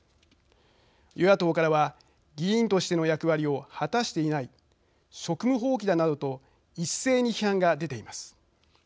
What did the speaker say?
与野党からは議員としての役割を果たしていない職務放棄だなどと一斉に批判が出ています。